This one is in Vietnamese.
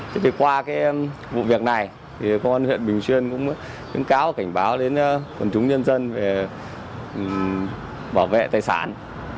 thế thì qua cái vụ việc này thì công an huyện bình xuyên cũng khuyến cáo cảnh báo đến quần chúng nhân dân về bảo vệ tài sản